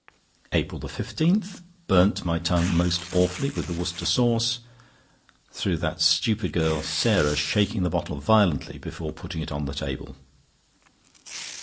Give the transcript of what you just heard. APRIL 15.—Burnt my tongue most awfully with the Worcester sauce, through that stupid girl Sarah shaking the bottle violently before putting it on the table.